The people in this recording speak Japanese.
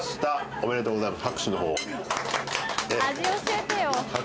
おめでとうございます。